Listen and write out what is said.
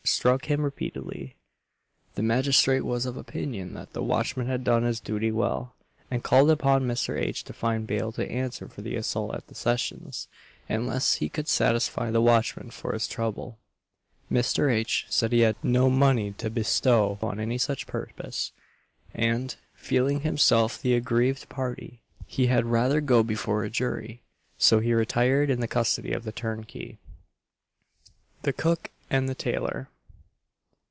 struck him repeatedly. The magistrate was of opinion that the watchman had done his duty well, and called upon Mr. H. to find bail to answer for the assault at the Sessions, unless he could satisfy the watchman for his trouble. Mr. H. said he had no money to bestow on any such purpose; and, feeling himself the aggrieved party, he had rather go before a jury; so he retired in the custody of the turnkey. THE COOK AND THE TAILOR.